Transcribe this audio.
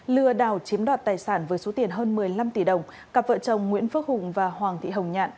lừa đảo chiếm đoạt tài sản với số tiền hơn một mươi năm tỷ đồng cặp vợ chồng nguyễn phước hùng và hoàng thị hồng nhạn